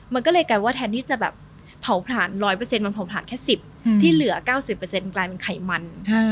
มันก็เลยกลายว่าแทนที่จะแบบเผาผลาญ๑๐๐มันเผาผลาญแค่๑๐ที่เหลือ๙๐กลายเป็นไขมัน